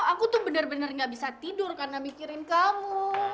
aku tuh bener bener gak bisa tidur karena mikirin kamu